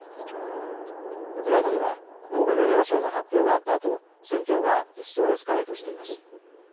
ウクライナではノーベル平和賞の発表があったあと、戦況が一層エスカレートしています。